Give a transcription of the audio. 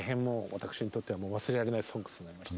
私にとっても忘れられない「ＳＯＮＧＳ」となりました。